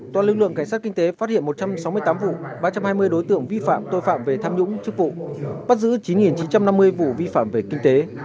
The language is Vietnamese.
toàn lực lượng cảnh sát kinh tế phát hiện một trăm sáu mươi tám vụ ba trăm hai mươi đối tượng vi phạm tội phạm về tham nhũng chức vụ bắt giữ chín chín trăm năm mươi vụ vi phạm về kinh tế